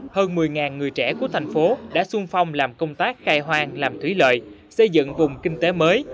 hơn một mươi người trẻ của thành phố đã sung phong làm công tác khai hoang làm thủy lợi xây dựng vùng kinh tế mới